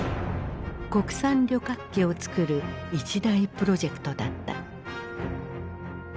国産旅客機をつくる一大プロジェクトだった。